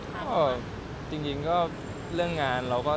ก็จริงจริงก็เรื่องงานเราก็